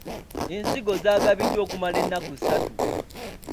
Ensigo zaagabiddwa okumala ennaku ssatu.